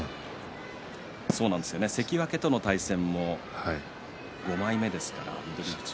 関脇との対戦も５枚目ですから。